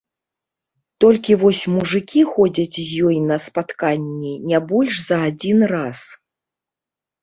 Толькі вось мужыкі ходзяць з ёй на спатканні не больш за адзін раз.